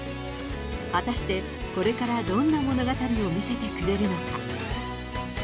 果たして、これからどんな物語を見せてくれるのか。